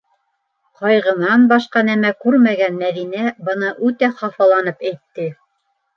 - Ҡайғынан башҡа нәмә күрмәгән Мәҙинә быны үтә хафаланып әйтте.